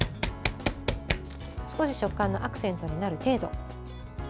少し食感のアクセントになる程度。